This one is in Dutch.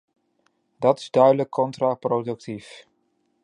Dat is duidelijk contraproductief.